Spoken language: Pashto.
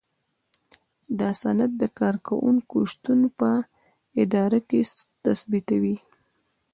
دا سند د کارکوونکي شتون په اداره کې تثبیتوي.